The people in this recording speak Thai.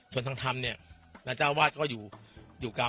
ส่วนทางธรรมเนี่ยแล้วเจ้าวาดก็อยู่อยู่กรรม